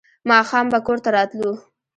ماښام به کور ته راتلو.